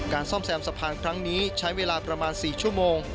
ซ่อมแซมสะพานครั้งนี้ใช้เวลาประมาณ๔ชั่วโมง